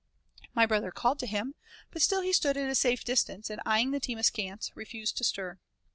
My brother called to him, but still he stood at a safe distance, and eyeing the team askance, refused to stir.